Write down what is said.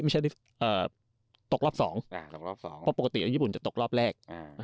ปกตินะอย่างไรญี่ปุ่นจะตกรอบแรก